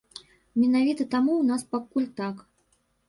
Менавіта таму ў нас пакуль так.